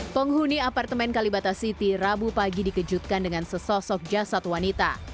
penghuni apartemen kalibata city rabu pagi dikejutkan dengan sesosok jasad wanita